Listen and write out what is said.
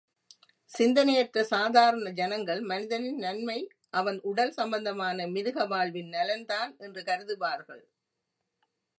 சிந்தனையற்ற சாதாரண ஜனங்கள் மனிதனின் நன்மை அவன் உடல் சம்பந்தமான மிருக வாழ்வின் நலன்தான் என்று கருதுவார்கள்.